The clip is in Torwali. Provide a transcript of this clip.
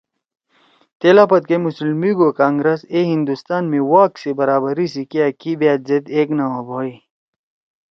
تیلا پدکے مسلم لیگ او کانگرس اے ہندوستان می واگ سی برابری سی کیا کی بأت زید ایک نہ ہوبَھئی